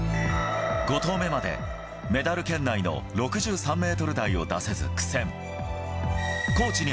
５投目までメダル圏内の６３メートル台を出せず苦戦。